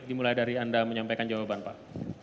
dimulai dari anda menyampaikan jawaban pak